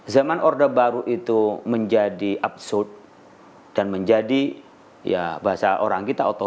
zaman orde baru itu menjadi absurd dan menjadi ya bahasa orang kita otono